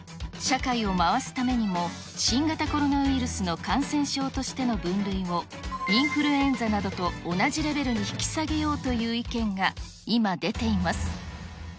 社会を回すためにも、新型コロナウイルスの感染症としての分類を、インフルエンザなどと同じレベルに引き下げようという意見が今、出ています。